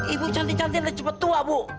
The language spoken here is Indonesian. ibu cantik cantik tidak cepat tua bu